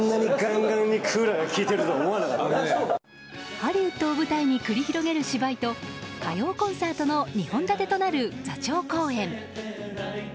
ハリウッドを舞台に繰り広げる芝居と歌謡コンサートの２本立てとなる座長公演。